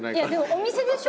お店でしょ？